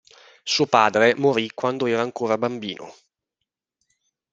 Suo padre morì quando era ancora bambino.